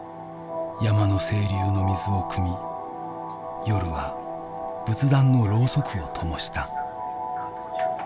山の清流の水をくみ夜は仏壇のロウソクをともした。